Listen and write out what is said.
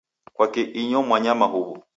Kwaki inyo mwanyama huw'u?